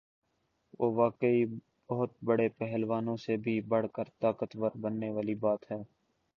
ہ واقعی بہت بڑے پہلوان سے بھی بڑھ کر طاقت ور بننے والی بات ہے۔